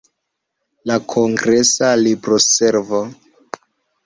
La kongresa libroservo.